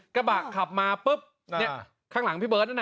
กระบะขับมาปุ๊บเนี่ยข้างหลังพี่เบิร์ตนั่นน่ะ